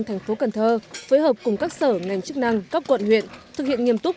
thành phố cần thơ phối hợp cùng các sở ngành chức năng các quận huyện thực hiện nghiêm túc